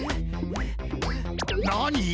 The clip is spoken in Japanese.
何？